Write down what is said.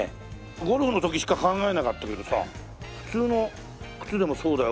ゴルフの時しか考えなかったけどさ普通の靴でもそうだよ